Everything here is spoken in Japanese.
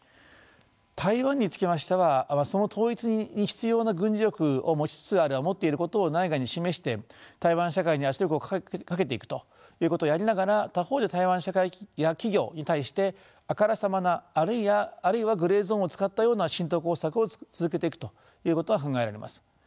台湾につきましてはその統一に必要な軍事力を持ちつつある持っていることを内外に示して台湾社会に圧力をかけていくということをやりながら他方で台湾社会や企業に対してあからさまなあるいはグレーゾーンを使ったような浸透工作を続けていくということが考えられます。